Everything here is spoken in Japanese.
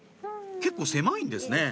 結構狭いんですね